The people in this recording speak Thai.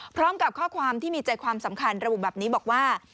พร้อมกับข้อความที่มีใจความสำคัญระบุแบบนี้บอกว่า